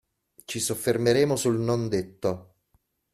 Ci soffermeremo sul non detto.